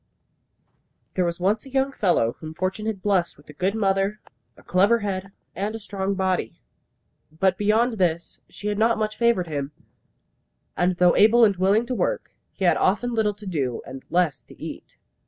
There was once a young fellow whom fortune had blessed with a good mother, a clever head, and a strong body. But beyond this she had not much favoured him; and though able and willing to work, he had often little to do, and less to eat.